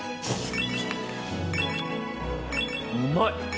うまい！